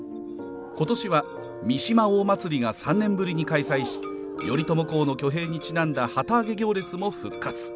今年は「三嶋大祭り」が３年ぶりに開催し頼朝公の挙兵にちなんだ旗揚げ行列も復活。